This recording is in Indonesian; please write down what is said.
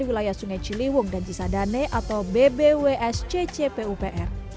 wilayah sungai ciliwung dan cisadane atau bbws ccpupr